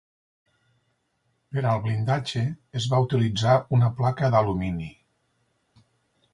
Per al blindatge es va utilitzar una placa d'alumini.